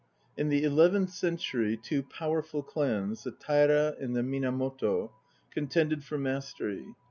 IN the eleventh century two powerful clans, the Taira and the Minamoto, contended for mastery.